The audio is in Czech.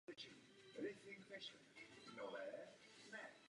Bashir.